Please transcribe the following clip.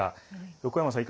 横山さん